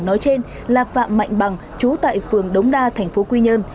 nói trên là phạm mạnh bằng chú tại phường đống đa thành phố quy nhơn